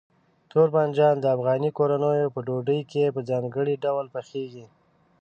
تور بانجان د افغاني کورنیو په ډوډۍ کې په ځانګړي ډول پخېږي.